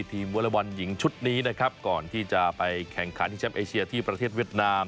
วอเลอร์บอลหญิงชุดนี้นะครับก่อนที่จะไปแข่งขันที่แชมป์เอเชียที่ประเทศเวียดนาม